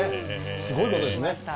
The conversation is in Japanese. すごいことですね。